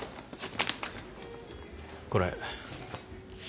これ。